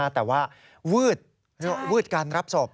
แต่ว่าวืดการรับศพ